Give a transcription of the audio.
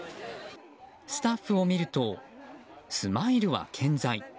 スタッフを見るとスマイルは健在。